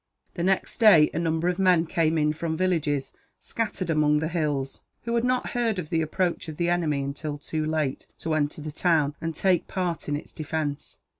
] The next day, a number of men came in from villages scattered among the hills, who had not heard of the approach of the enemy until too late to enter the town, and take part in its defence.